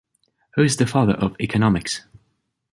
Who is the father of economics?